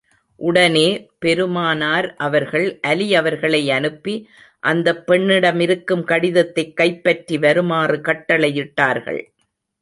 உடனே பெருமானார் அவர்கள், அலி அவர்களை அனுப்பி, அந்தப் பெண்ணிடமிருக்கும் கடிதத்தைக் கைப்பற்றி வருமாறு கட்டளையிட்டார்கள்.